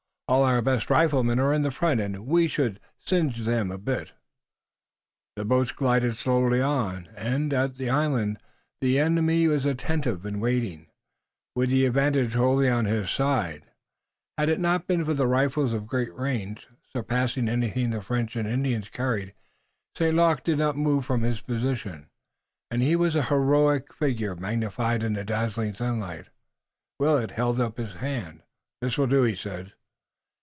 All our best riflemen are in front, and we should singe them a bit." The boats glided slowly on, and, at the island, the enemy was attentive and waiting, with the advantage wholly on his side, had it not been for the rifles of great range, surpassing anything the French and Indians carried. St. Luc did not move from his position, and he was a heroic figure magnified in the dazzling sunlight. Willet held up his hand. "This will do," he said.